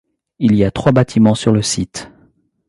Il y a trois bâtiments sur le site.